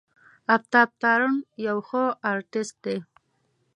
آفتاب تارڼ یو ښه آرټسټ دی.